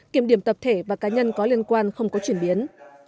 kiểm điểm tập thể và cá nhân có liên quan không có chuyển biến